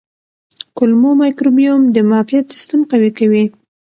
کولمو مایکروبیوم د معافیت سیستم قوي کوي.